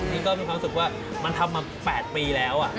นี่ก็มีความรู้สึกว่ามันทำมา๘ปีแล้ว